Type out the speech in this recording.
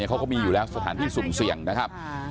เขาก็มีอยู่แล้วสถานที่สุ่มเสี่ยงนะครับ